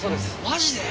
マジで！？